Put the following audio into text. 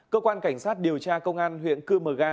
cơ quan cảnh sát điều tra công an huyện cư mờ ga